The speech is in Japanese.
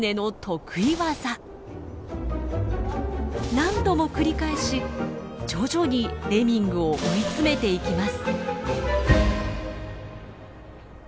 何度も繰り返し徐々にレミングを追い詰めていきます。